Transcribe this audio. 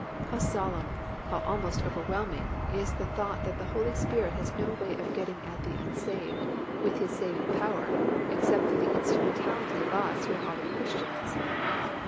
How solemn, how almost overwhelming, is the thought that the Holy Spirit has no way of getting at the unsaved with His saving power except through the instrumentality of us who are already Christians.